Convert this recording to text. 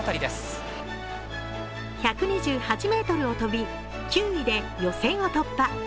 １２８ｍを飛び、９位で予選を突破。